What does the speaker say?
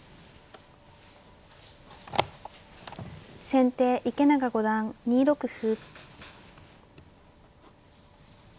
先手池永五段２六歩。